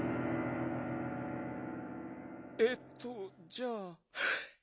えっとじゃあこれ。